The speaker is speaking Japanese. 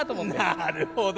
なるほど！